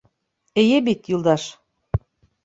Эйе бит, Юлдаш?..